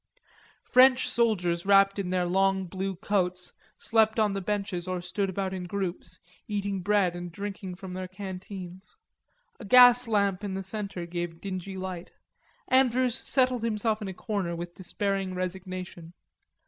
French soldiers wrapped in their long blue coats, slept on the benches or stood about in groups, eating bread and drinking from their canteens. A gas lamp in the center gave dingy light. Andrews settled himself in a corner with despairing resignation.